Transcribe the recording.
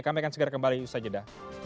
kami akan segera kembali ustaz jeddah